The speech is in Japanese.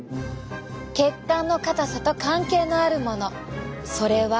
血管の硬さと関係のあるものそれは。